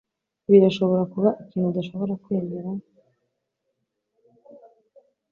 birashobora kuba ikintu udashobora kwemera